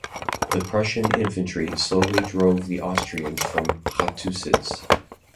The Prussian infantry slowly drove the Austrians from Chotusitz.